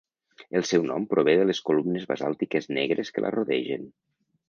El seu nom prové de les columnes basàltiques negres que la rodegen.